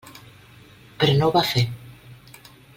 Però no ho va fer.